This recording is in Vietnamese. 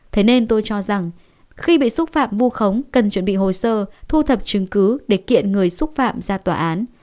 thế nên tôi cho rằng khi bị xúc phạm vu khống cần chuẩn bị hồ sơ thu thập chứng cứ để kiện người xúc phạm ra tòa án